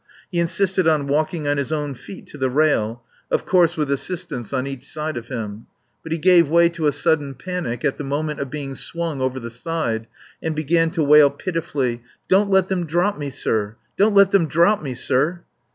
He insisted on walking on his own feet to the rail of course with assistance on each side of him. But he gave way to a sudden panic at the moment of being swung over the side and began to wail pitifully: "Don't let them drop me, sir. Don't let them drop me, sir!"